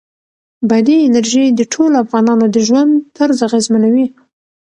بادي انرژي د ټولو افغانانو د ژوند طرز اغېزمنوي.